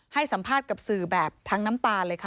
ให้สัมภาษณ์กับสื่อแบบทั้งน้ำตาเลยค่ะ